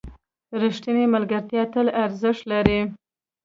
ریښتیني ملګري تل ارزښت لري.